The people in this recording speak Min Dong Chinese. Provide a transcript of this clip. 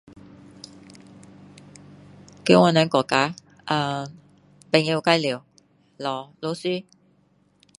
在我们国家啊朋友介绍找律师